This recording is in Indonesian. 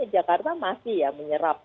jakarta masih ya menyerap